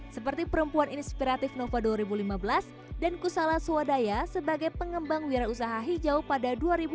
seperti perempuan inspiratif nova dua ribu lima belas dan kusala swadaya sebagai pengembang wira usaha hijau pada dua ribu lima belas